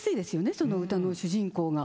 その歌の主人公が。